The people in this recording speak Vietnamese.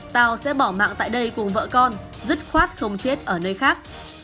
tàu sẽ bỏ mạng tại đây cùng vợ con dứt khoát không chết ở nơi khác